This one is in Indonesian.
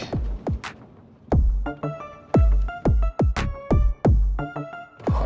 wah nyambung juga